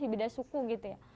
beda suku gitu ya